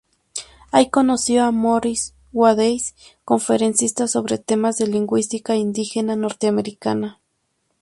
Ahí conoció a Morris Swadesh conferencista sobre temas de lingüística indígena norteamericana.